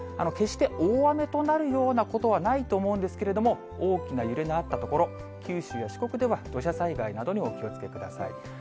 決して大雨となるようなことはないと思うんですけれども、大きな揺れのあった所、九州や四国では、土砂災害などにお気をつけください。